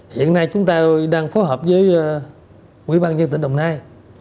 hiện nay chúng tôi đang phối hợp với quỹ ban nhân tỉnh đồng nai